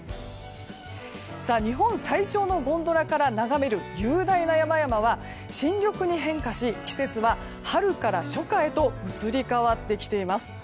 日本最長のゴンドラから眺める雄大な山々は新緑に変化し季節は春から初夏へと移り変わってきています。